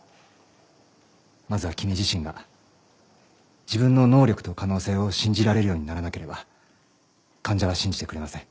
まずは君自身が自分の能力と可能性を信じられるようにならなければ患者は信じてくれません。